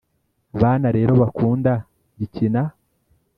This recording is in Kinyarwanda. bana rero bakunda gikina